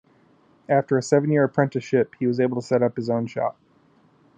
After a seven-year apprenticeship, he was able to set up his own shop.